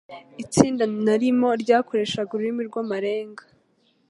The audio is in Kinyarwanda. itsinda narimo ryakoreshaga ururimi rw'amarenga